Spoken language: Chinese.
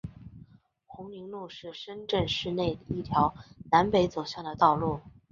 红岭路是深圳市内一条南北走向的道路。